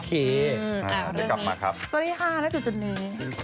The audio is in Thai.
คือกับมาครับสวัสดีค่าณสุดนี้